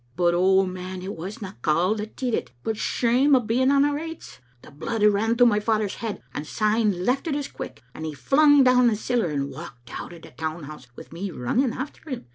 * But, oh, man, it wasna cauld that did it, but shame o* being on the rates. The blood a* ran to my father's head, and syne left it as quick, and he flung down the siller and walked out o' the Town House wi' me running after him.